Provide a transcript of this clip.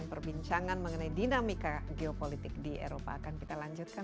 dapat memberikan keamanan secara fisik terhadap terorisme